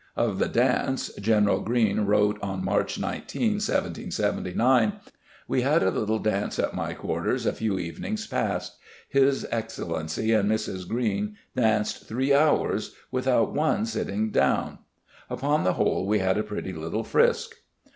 Of the dance General Greene wrote on March 19, 1779, "We had a little dance at my quarters a few evenings past. His excellency and Mrs. Greene danced three hours without one sitting down upon the whole we had a pretty little frisk".